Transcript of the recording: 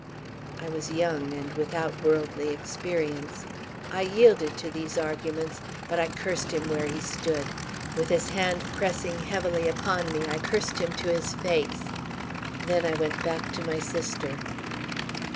"I was young and without worldly experience. I yielded to these arguments, but I cursed him where he stood. With his hand pressing heavily upon me, I cursed him to his face; then I went back to my sister.